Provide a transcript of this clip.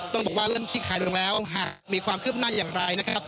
ต้องบอกว่าเริ่มคลี่คลายลงแล้วหากมีความคืบหน้าอย่างไรนะครับ